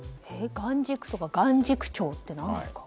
眼軸とか眼軸長って何ですか？